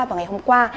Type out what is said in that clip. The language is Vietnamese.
vào ngày hôm qua